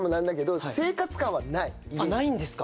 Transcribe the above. ないんですか？